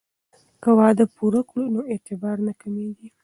که وعده پوره کړو نو اعتبار نه کمیږي.